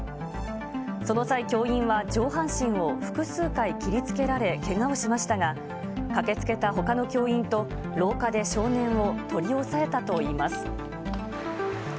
その際、教員は上半身を複数回切りつけられ、けがをしましたが、駆けつけたほかの教員と、廊下で少年を取り押さえたといいます。